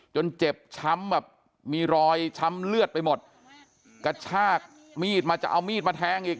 เจ็บช้ำแบบมีรอยช้ำเลือดไปหมดกระชากมีดมาจะเอามีดมาแทงอีก